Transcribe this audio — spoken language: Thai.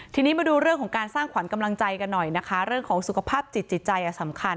ทีนี้มาดูเรื่องของการสร้างขวัญกำลังใจกันหน่อยนะคะเรื่องของสุขภาพจิตจิตใจสำคัญ